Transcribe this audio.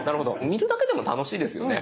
見るだけでも楽しいですよね